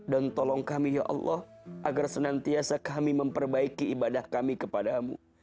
dan tolong kami ya allah agar senantiasa kami memperbaiki ibadah kami kepadamu